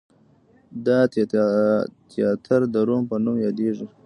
دا تیاتر د روم په نوم یادیږي.